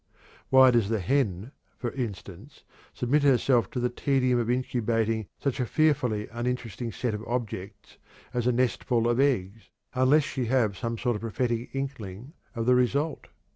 Why does the hen, for instance, submit herself to the tedium of incubating such a fearfully uninteresting set of objects as a nestful of eggs, unless she have some sort of prophetic inkling of the result?